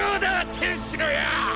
天使の矢